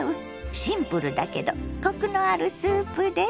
シンプルだけどコクのあるスープです。